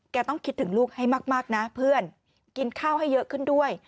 ต้องคิดถึงลูกให้มากนะเพื่อนกินข้าวให้เยอะขึ้นด้วย